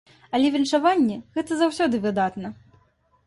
Але віншаванні гэта заўсёды выдатна.